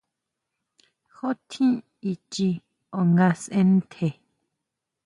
¿Ju tjín inchjín ó nga sʼe ntje?